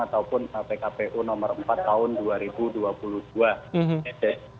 ataupun pkpu nomor empat tahun dua ribu dua puluh dua